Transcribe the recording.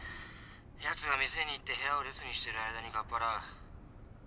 やつが店に行って部屋を留守にしてる間にかっ払う。